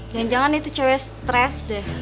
jangan jangan itu cewek stres deh